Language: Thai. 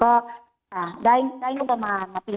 จังหวัดก็มอบอำนาจให้กับผู้ที่